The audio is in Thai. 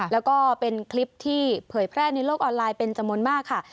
แล้วก็เป็นคลิปที่เผยแพร่ในโลกออนไลน์เป็นจำนวนมากค่ะ